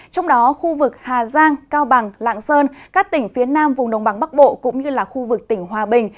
trong đó khu vực hà giang cao bằng lạng sơn các tỉnh phía nam vùng đồng bằng bắc bộ cũng như là khu vực tỉnh hòa bình